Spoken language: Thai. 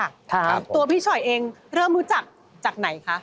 ครับตัวพี่ฉอยเองเริ่มรู้จักจากไหนคะ